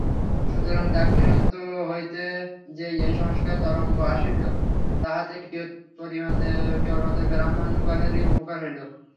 সুতরাং দাক্ষিণাত্য হইতে যে এই সংস্কার-তরঙ্গ আসিল, তাহাতে কিয়ৎপরিমাণে কেবলমাত্র ব্রাহ্মণগণেরই উপকার হইল।